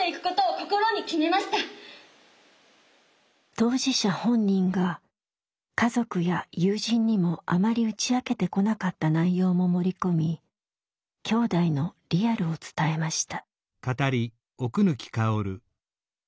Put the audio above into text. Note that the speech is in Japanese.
当事者本人が家族や友人にもあまり打ち明けてこなかった内容も盛り込みきょうだいのリアルを伝えました。